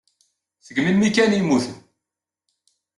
Seg melmi kan ay mmuten.